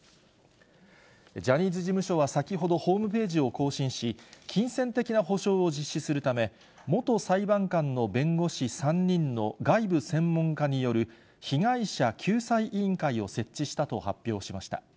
ジャニーズ事務所は先ほど、ホームページを更新し、金銭的な補償を実施するため、元裁判官の弁護士３人の外部専門家による被害者救済委員会を設置したと発表しました。